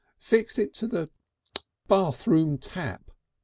"Fix it to the (kik) bathroom tap!"